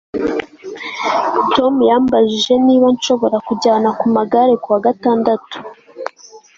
Tom yambajije niba nshobora kujyana ku magare ku wa gatandatu